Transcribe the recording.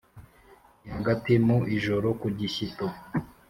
nihagati mu ijoro kugishyito,